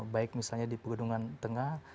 baik misalnya di pegunungan tengah